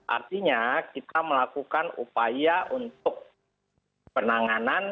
artinya kita melakukan upaya untuk penanganan